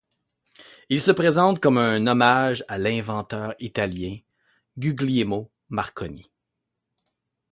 Il se présente comme un hommage à l'inventeur italien Guglielmo Marconi.